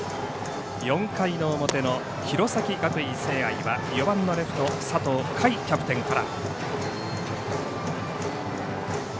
４回の表の弘前学院聖愛は４番のレフト佐藤海キャプテンから。